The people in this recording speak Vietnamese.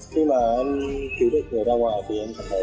khi mà em cứu được người ra ngoài thì em cảm thấy